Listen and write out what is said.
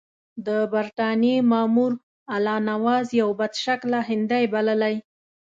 د برټانیې مامور الله نواز یو بدشکله هندی بللی.